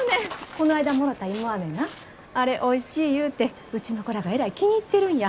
こないだもろた芋アメなあれおいしい言うてうちの子らがえらい気に入ってるんや。